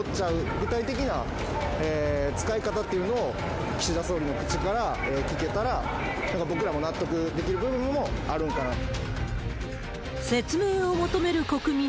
具体的な使い方っていうのを、岸田総理の口から聞けたら、なんか僕らも納得できる部分もあるんかなと。